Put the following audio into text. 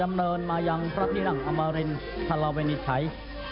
กำเนินมาอย่างประธิรังธรรมรินทร์ธราวินิสไทย